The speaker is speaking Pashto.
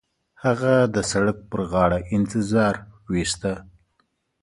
هغه د سړک پر غاړه انتظار وېسته.